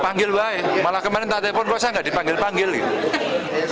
panggil woy malah kemarin tadi telfon kok saya gak dipanggil panggil gitu